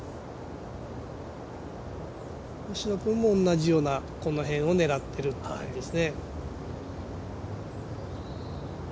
星野君も同じようなこの辺を狙ってるっていう感じですね。